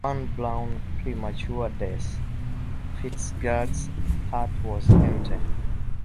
On Browne's premature death Fitzgerald's heart was empty.